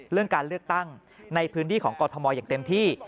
เรื่องการเลือกตั้งในพื้นที่ของกรทมอย่างเต็มที่